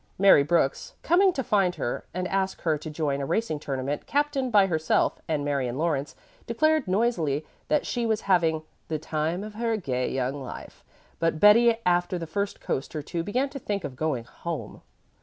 Mary Brooks, coming to find her and ask her to join a racing tournament captained by herself and Marion Lawrence, declared noisily that she was having "the time of her gay young life," but Betty after the first coast or two began to think of going home.